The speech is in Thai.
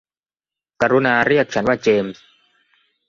กรุณาเรียกฉันว่าเจมส์